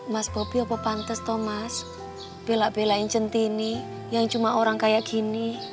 mas bobi apa pantes thomas bela belain centini yang cuma orang kayak gini